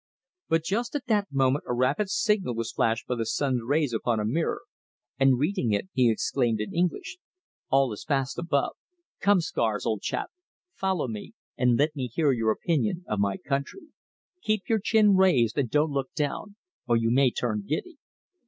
But just at that moment a rapid signal was flashed by the sun's rays upon a mirror, and reading it, he exclaimed in English: "All is fast above. Come, Scars, old chap, follow me and let me hear your opinion of my country. Keep your chin raised and don't look down, or you may turn giddy."